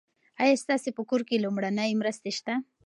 ایا ستاسي په کور کې لومړنۍ مرستې شته؟